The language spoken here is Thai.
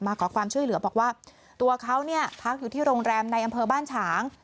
ขอความช่วยเหลือบอกว่าตัวเขาเนี่ยพักอยู่ที่โรงแรมในอำเภอบ้านฉาง